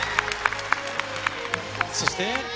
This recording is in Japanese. そして。